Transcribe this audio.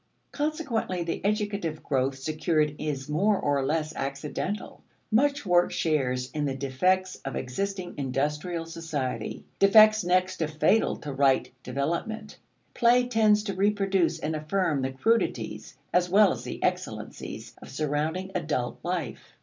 Consequently the educative growth secured is more or less accidental. Much work shares in the defects of existing industrial society defects next to fatal to right development. Play tends to reproduce and affirm the crudities, as well as the excellencies, of surrounding adult life.